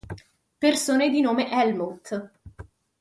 Persone di nome Helmut